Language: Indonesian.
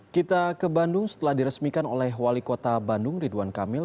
kita ke bandung setelah diresmikan oleh wali kota bandung ridwan kamil